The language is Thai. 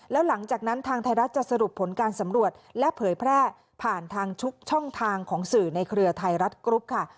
แล้วหลังจากนั้นทางไทยรัฐจะสรุปผลการสำรวจและเผยแพร่ผ่านทางทุกช่องทางของสื่อในเครือไทยรัฐกรุ๊ปค่ะ